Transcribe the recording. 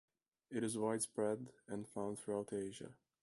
It is widespread and found throughout Asia.